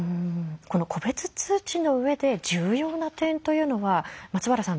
この個別通知の上で重要な点というのは松原さん